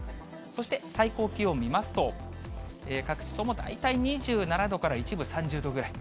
そして最高気温見ますと、各地とも大体２７度から、一部３０度ぐらい。